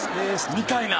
みたいな。